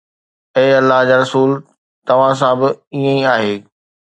اي الله جا رسول، توهان سان به ائين ئي آهي؟